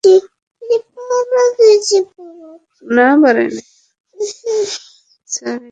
Sir, একটু যদি অনুমতি দেন আমাদের।